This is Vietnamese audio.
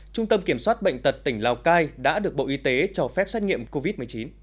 trung tâm kiểm soát bệnh tật tỉnh lào cai đã được bộ y tế cho phép xét nghiệm covid một mươi chín